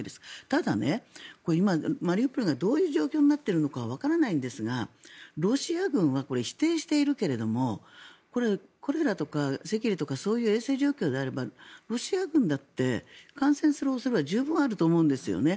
ただ、マリウポリがどういう状況になっているかはわからないんですがロシア軍は否定しているけどコレラとか赤痢とかそういう衛生状況であればロシア軍だって感染する恐れは十分にあると思うんですよね。